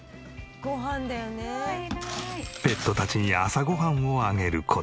ペットたちに朝ご飯をあげる事。